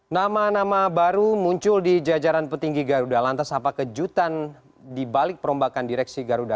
nama nama baru muncul di jajaran petinggi garuda lantas apa kejutan di balik perombakan direksi garuda